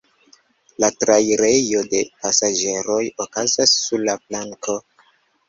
La trairejo de pasaĝeroj okazas sur la planko.